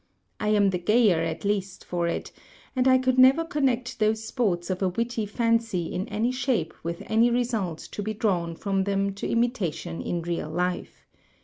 "I am the gayer at least for it; and I could never connect those sports of a witty fancy in any shape with any result to be drawn from them to imitation in real life.